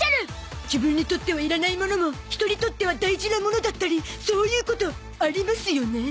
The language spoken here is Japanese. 自分にとってはいらないモノも人にとっては大事なモノだったりそういうことありますよね？